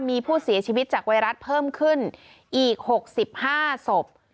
มีผู้เสียชีวิตจากไวรัสเพิ่มขึ้นอีก๖๕ศพ